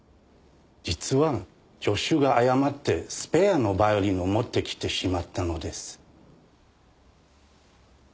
実は助手が誤ってスペアのバイオリンを持ってきてしまったのです。